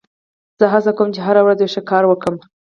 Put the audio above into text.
زه هڅه کوم، چي هره ورځ یو ښه کار وکم.